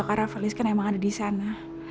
karena felis kan emang ada di sana